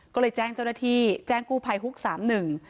ก็เลยแจ้งเจ้าหน้าที่แจ้งกู้ภัยฮุกสามหนึ่ง